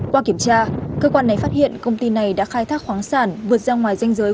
qua kiểm tra cơ quan này phát hiện công ty này đã khai thác khoáng sản vượt ra ngoài danh giới